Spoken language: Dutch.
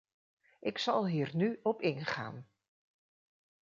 Ik zal hier nu op ingaan.